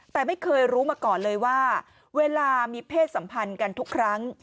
แต่ไม่เคยรู้มาก่อนเลยว่าเวลามีเพศสัมพันธ์กันทุกครั้ง